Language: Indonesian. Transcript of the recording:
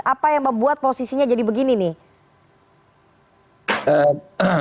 apa yang membuat posisinya jadi begini nih